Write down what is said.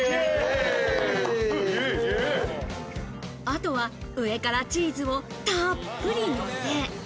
あとは上からチーズをたっぷりのせ。